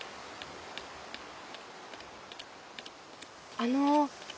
あの。